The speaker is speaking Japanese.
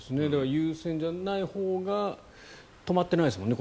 優先じゃないほうが止まってないですもんね。